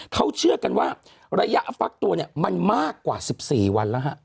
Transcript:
เขาเชื่อกันว่าระยะฟักตัวเนี่ยมันมากกว่า๑๔วันแล้วฮะ